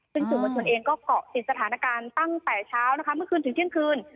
ซึ่งสื่อมวลชนเองก็เกาะติดสถานการณ์ตั้งแต่เช้านะคะเมื่อคืนถึงเที่ยงคืน